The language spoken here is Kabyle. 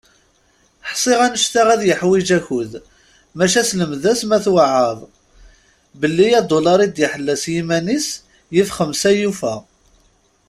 Ḥsiɣ, annect-a ad yiḥwiǧ akud, maca selmed-as, ma tweɛɛaḍ, belli adulaṛ i d-iḥella s yiman-is yif xemsa i yufa.